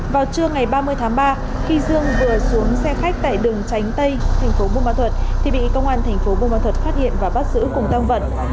vào trưa ngày ba mươi tháng ba khi dương vừa xuống xe khách tại đường tránh tây thành phố bông ban thuật thì bị công an thành phố bông ban thuật phát hiện và bắt giữ cùng tăng vận